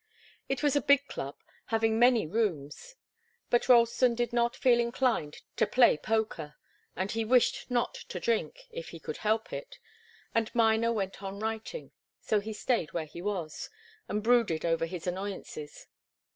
It was a big club, having many rooms. But Ralston did not feel inclined to play poker, and he wished not to drink, if he could help it, and Miner went on writing, so he stayed where he was, and brooded over his annoyances.